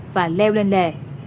và leo lên lề